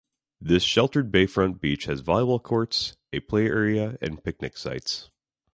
This sheltered bayfront beach has volleyball courts, a play area and picnic sites.